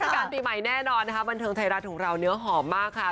การปีใหม่แน่นอนนะคะบันเทิงไทยรัฐของเราเนื้อหอมมากค่ะ